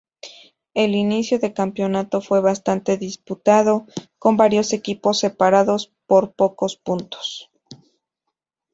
El inicio de campeonato fue bastante disputado, con varios equipos separados por pocos puntos.